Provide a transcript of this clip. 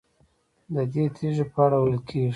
ددې تیږې په اړه ویل کېږي.